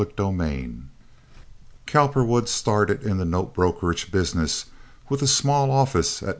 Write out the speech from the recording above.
Chapter IX Cowperwood started in the note brokerage business with a small office at No.